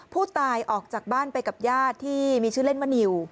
ผู้ตายออกจากบ้านไปกับญาติที่มีชื่อเล่นมะนิว